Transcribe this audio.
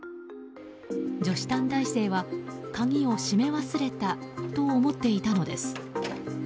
女子短大生は鍵を閉め忘れたと思っていたのです。